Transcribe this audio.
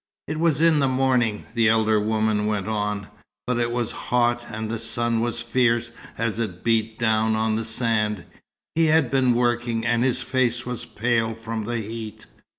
"It was in the morning," the elder woman went on, "but it was hot, and the sun was fierce as it beat down on the sand. He had been working, and his face was pale from the heat.